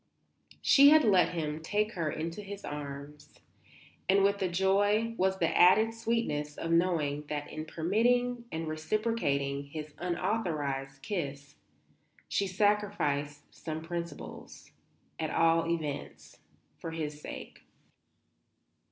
She had let him take her into his arms, and with the joy was the added sweetness of knowing that in permitting and reciprocating his unauthorized kiss she sacrificed some principles, at all events, for his sake.